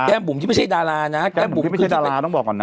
แก้มบุ๋มที่ไม่ใช่ดารานะแก้มบุ๋มที่ไม่ใช่ดาราต้องบอกก่อนน่ะ